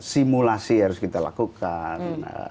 simulasi harus kita lakukan